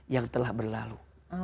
yang telah berlalu